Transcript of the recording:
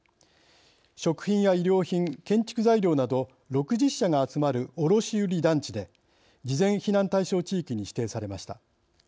食品や衣料品、建築材料など６０社が集まる卸売り団地で事前避難対象地域に指定されました。